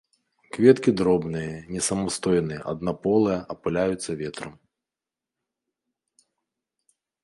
Кветкі дробныя, несамастойныя, аднаполыя, апыляюцца ветрам.